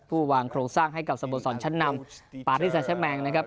ผู้วางโครงสร้างให้กับสมบัติศาสตร์ชั้นน้ำประธิษฐรรมแมงนะครับ